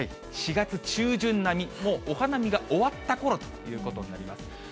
４月中旬並み、もうお花見が終わったころということになります。